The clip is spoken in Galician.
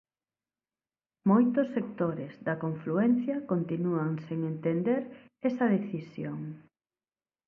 Moitos sectores da confluencia continúan sen entender esa decisión.